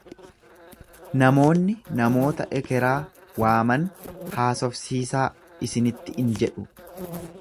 Namoonni namoota ekeraa waaman haasofsiisaa isinitti in jedhu.